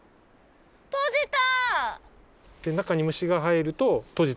閉じた！